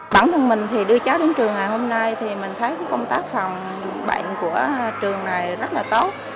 bản thân mình thì đưa cháu đến trường ngày hôm nay thì mình thấy công tác phòng bệnh của trường này rất là tốt